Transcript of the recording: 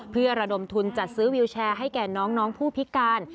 เพื่อระดมทุนจัดซื้อวิวแชร์ให้แก่น้องผู้พิการ